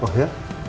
stoknya lagi gak ada